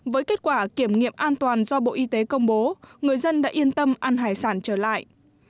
với kết quả kiểm nghiệm an toàn do bộ y tế công bố người dân đã yên tâm ăn hải sản trở lại